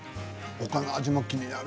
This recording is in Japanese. ほかの味も気になる。